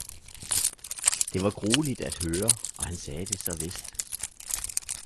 Det var grueligt at høre, og han sagde det så vist.